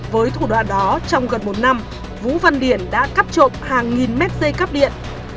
với thủ đoạn đó trong gần một năm vũ văn điển đã cắt trộm hàng nghìn mét dây cắp điện